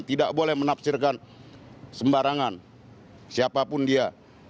tidak boleh menafsirkan sembarangan siapapun dia